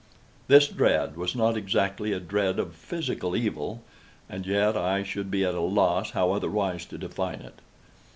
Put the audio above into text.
This dread was not exactly a dread of physical evil—and yet I should be at a loss how otherwise to define it.